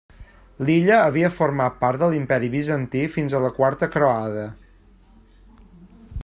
L'illa havia format part de l'Imperi Bizantí fins a la Quarta croada.